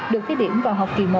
được thiết điểm vào học kỳ một